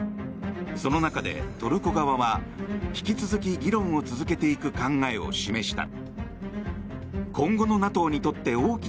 その中でトルコ側は引き続き議論を続けていく考えを示した。